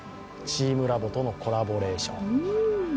チームラボとのコラボレーション。